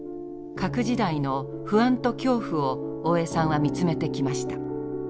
核時代の不安と恐怖を大江さんは見つめてきました。